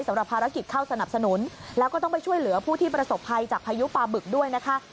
สำหรับภารกิจเข้าสนับสนุนแล้วก็ต้องไปช่วยเหลือผู้ที่ประสบภัยจากพายุปลาบึกด้วยนะคะ